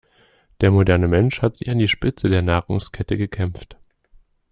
Der moderne Mensch hat sich an die Spitze der Nahrungskette gekämpft.